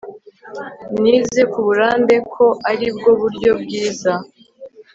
nize kuburambe ko aribwo buryo bwiza